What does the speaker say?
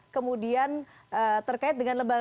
kemudian terkait dengan